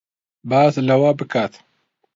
باس لەوە بکات